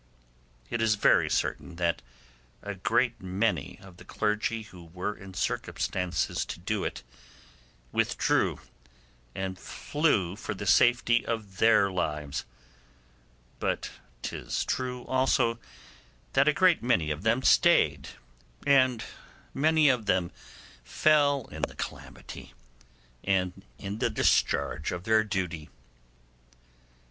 It is very certain that a great many of the clergy who were in circumstances to do it withdrew and fled for the safety of their lives; but 'tis true also that a great many of them stayed, and many of them fell in the calamity and in the discharge of their duty.